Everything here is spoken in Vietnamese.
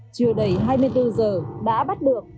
chưa đầy hai mươi bốn giờ đã bắt được